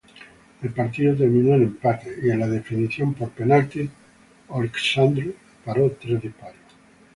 El partido terminó empatado y en la definición por penaltis, Oleksandr paró tres disparos.